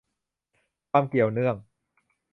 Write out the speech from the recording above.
ความเกี่ยวเนื่อง